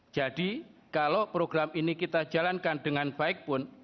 jadi kalau program ini kita jalankan dengan baik pun